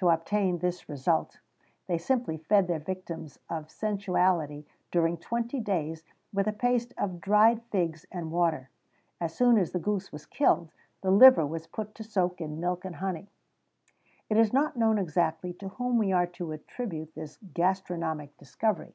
To obtain this result, they simply fed their victims of sensuality, during twenty days, with a paste of dried figs and water.[XVII 68] As soon as the goose was killed, the liver was put to soak in milk and honey. It is not known exactly to whom we are to attribute this gastronomic discovery.